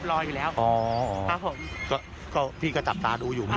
รออยู่แล้วอ๋อพี่ก็จับตาดูอยู่ไหม